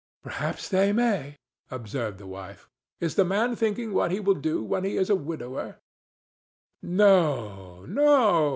"Perhaps they may," observed the wife. "Is the man thinking what he will do when he is a widower?" "No, no!"